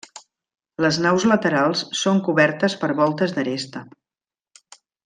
Les naus laterals són cobertes per voltes d'aresta.